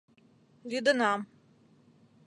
— Лӱдынам...